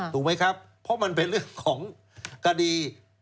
ถูกไหมครับเพราะมันเป็นเรื่องของคดี